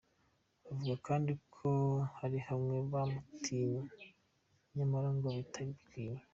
avuga kandi ko hari bamwe bamutinya nyamara ngo bitari bikwiye.